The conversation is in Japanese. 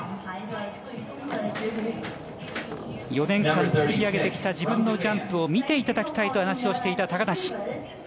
４年間作り上げてきた自分のジャンプを見ていただきたいと話をしていた高梨。